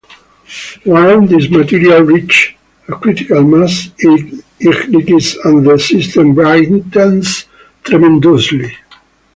Once this material reaches a critical mass, it ignites and the system brightens tremendously.